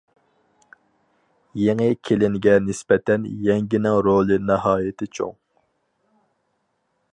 يېڭى كېلىنگە نىسبەتەن يەڭگىنىڭ رولى ناھايىتى چوڭ.